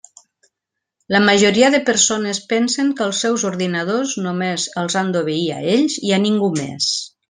La majoria de persones pensen que els seus ordinadors només els han d'obeir a ells i a ningú més.